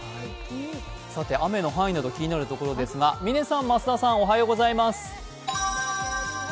雨の範囲など気になるところですが、嶺さん、増田さん、おはようございます。